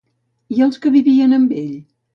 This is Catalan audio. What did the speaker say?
I els que vivien amb ell?